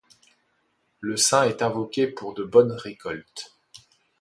Le saint est invoqué pour de bonnes récoltes.